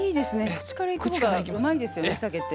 口から行く方がうまいですよねお酒って。